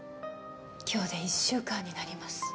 今日で１週間になります。